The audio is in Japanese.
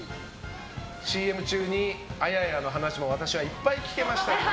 ＣＭ中に、あややの話も私はいっぱい聞けました。